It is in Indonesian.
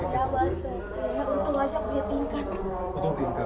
ya untuk banyak punya tingkat